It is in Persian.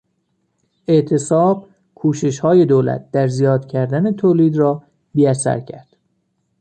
اعتصاب، کوششهای دولت در زیاد کردن تولید را بی اثر کرد.